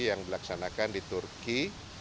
yang dilaksanakan di turki